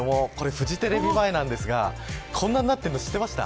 フジテレビ前なんですがこんなになっているの知ってました。